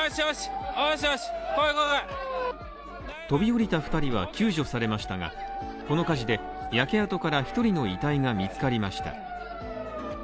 飛び降りた２人は救助されましたが、この火事で焼け跡から１人の遺体が見つかりました。